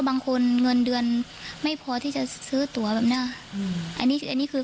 เงินเดือนไม่พอที่จะซื้อตัวแบบเนี้ยอืมอันนี้อันนี้คือ